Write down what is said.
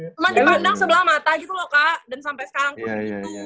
cuman dipandang sebelah mata gitu loh kak dan sampai sekarang aku kayak gitu